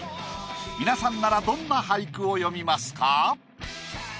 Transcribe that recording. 皆さんならどんな俳句を詠みますか？